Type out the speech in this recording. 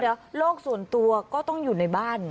เดี๋ยวโลกส่วนตัวก็ต้องอยู่ในบ้าน